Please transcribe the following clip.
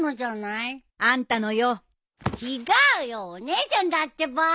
違うよお姉ちゃんだってば。